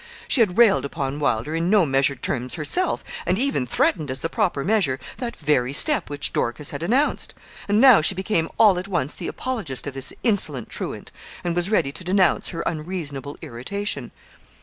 She had railed upon Wylder, in no measured terms, herself, and even threatened, as the proper measure, that very step which Dorcas had announced; and now she became all at once the apologist of this insolent truant, and was ready to denounce her unreasonable irritation.